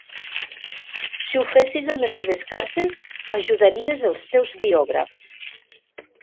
Si ho fessis en les teves cartes ajudaries els teus biògrafs.